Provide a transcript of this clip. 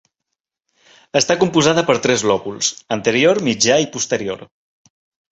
Està composada per tres lòbuls: anterior, mitjà i posterior.